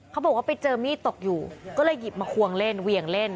เขาบอกว่าไปเจอมีดตกอยู่ก็เลยหยิบมาควงเล่นเหวี่ยงเล่น